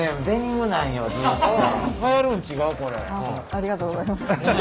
ありがとうございます。